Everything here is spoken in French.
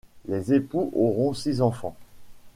Les époux auront six enfants.